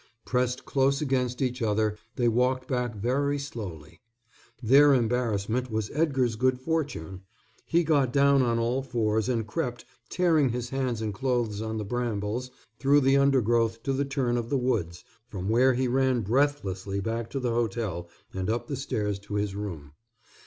Pressed close against each other, they walked back very slowly. Their embarrassment was Edgar's good fortune. He got down on all fours and crept, tearing his hands and clothes on the brambles, through the undergrowth to the turn of the woods, from where he ran breathlessly back to the hotel and up the stairs to his room.